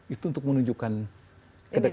itu untuk menunjukkan kedekatan